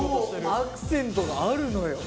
アクセントがあるのよ。